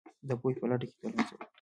د پوهې په لټه کې تل هڅه وکړئ